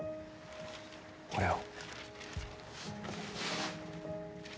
これを。